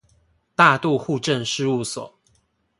大肚戶政事務所